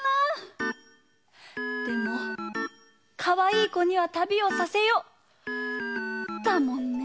でも「かわいい子にはたびをさせよ」だもんね。